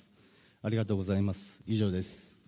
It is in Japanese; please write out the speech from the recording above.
ありがとうございます。